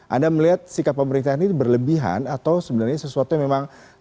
anda melihat sikap pemerintah ini berlebihan atau sebenarnya sesuatu yang memang